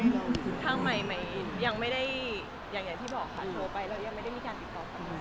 ทางใหม่ยังไม่ได้อย่างที่บอกค่ะโทรไปแล้วยังไม่ได้มีการติดต่อกลับมา